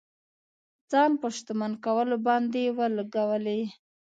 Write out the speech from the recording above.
ځان په شتمن کولو باندې ولګولې.